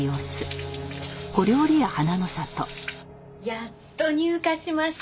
やっと入荷しました。